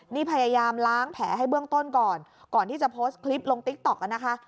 นี่พยายามล้างแผลให้เบื้องต้นก่อนก่อนที่จะโพสต์คลิปลงติ๊กต๊อกอ่ะนะคะ